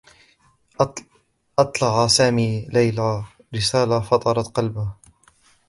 أطلعَ سامي ليلى رسالة فطرت قلبه.